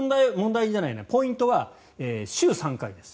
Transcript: ただ、ポイントは週３回です。